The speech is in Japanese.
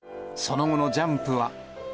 その後のジャンプは。